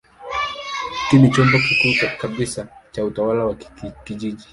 Hiki ni chombo kikuu kabisa cha utawala wa kijiji.